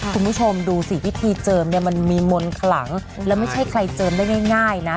คุณผู้ชมดูสิวิธีเจิมเนี่ยมันมีมนต์ขลังแล้วไม่ใช่ใครเจิมได้ง่ายนะ